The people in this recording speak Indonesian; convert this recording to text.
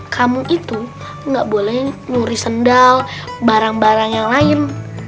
kamu itu nggak boleh nyuri sendal barang barang yang lain